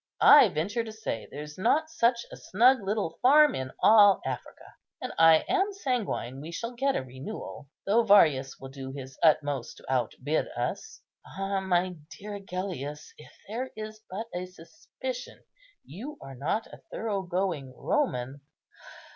"I venture to say there's not such a snug little farm in all Africa; and I am sanguine we shall get a renewal, though Varius will do his utmost to outbid us. Ah, my dear Agellius, if there is but a suspicion you are not a thorough going Roman!